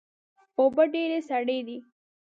اوبه ډیرې سړې دي